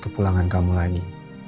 ke pulangan kamu lagi